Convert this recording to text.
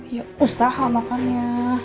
ya usaha makanya